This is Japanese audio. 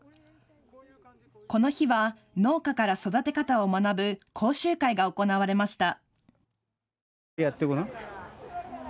この日は農家から育て方を学ぶ講習会が行われました。